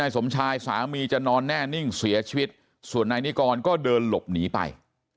สมชายสามีจะนอนแน่นิ่งเสียชีวิตส่วนนายนิกรก็เดินหลบหนีไป